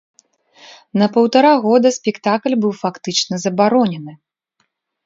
На паўтара года спектакль быў фактычна забаронены.